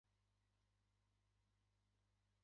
大きな柵に沿って、一周歩いてみた